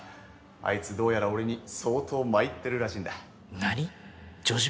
あいつどうやら俺に相当参ってるらしいんだ。